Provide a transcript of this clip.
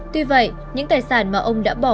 tuy vậy những tài sản mà ông đã bỏ